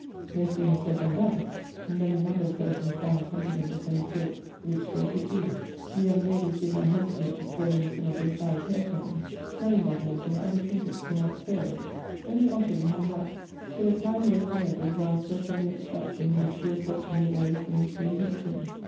" No sooner said than done, and then a number of persons found some thing of the same sort which they could do; the young ladies did not hesitate to throw in some of their side hair combs — smelling bottles and other trinkets were not spared. Only Ottilie hung back ; till a kind word from Edward roused her from the abstraction in which she was watching the various things being heaped in.